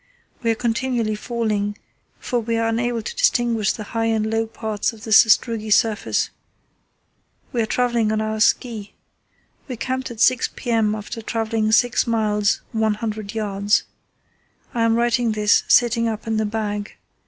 We are continually falling, for we are unable to distinguish the high and low parts of the sastrugi surface. We are travelling on our ski. We camped at 6 p.m. after travelling 6 miles 100 yds. I am writing this sitting up in the bag.